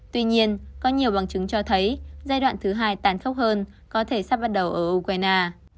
tuy nhiên có nhiều bằng chứng cho thấy giai đoạn thứ hai tàn khốc hơn có thể sắp bắt đầu ở ukraine